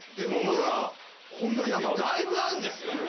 だいぶあんですよ